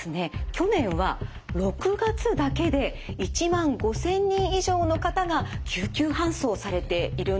去年は６月だけで１万５，０００人以上の方が救急搬送されているんです。